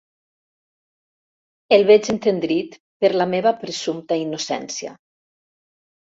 El veig entendrit per la meva presumpta innocència.